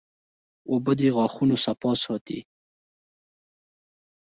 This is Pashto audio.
اوبه د غاښونو صفا ساتي